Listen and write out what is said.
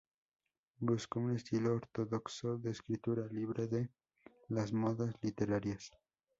Buscó un estilo ortodoxo de escritura, libre de las modas literarias.